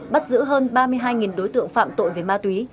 bắt giữ hơn ba mươi hai đối tượng phạm tội về ma túy